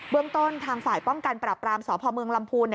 เรื่องต้นทางฝ่ายป้องกันปรับรามสพเมืองลำพูน